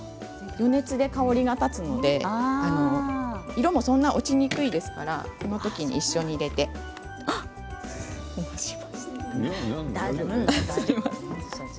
余熱で香りが立つので色も落ちにくいですからこのときに一緒に入れてください。